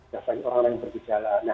biasanya orang lain bergejala